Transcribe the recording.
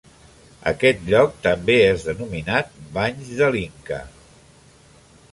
Aquest lloc també és denominat Banys de l'Inca.